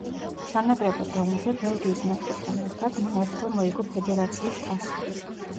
სანაკრებო დონეზე ბელგიის ნაკრებთან ერთად, მან ერთხელ მოიგო ფედერაციის თასი.